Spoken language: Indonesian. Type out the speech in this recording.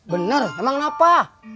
bener emang kenapa